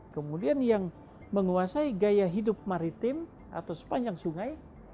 kemudian yang menguasai gaya hidup maritim atau sepanjang sungai